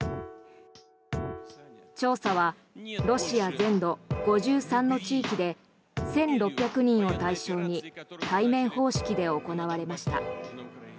調査はロシア全土５３の地域で１６００人を対象に対面方式で行われました。